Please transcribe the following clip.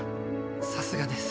さすがです。